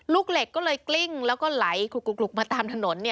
ลูกเหล็กก็เลยกลิ้งแล้วก็ไหลกลุกมาตามถนน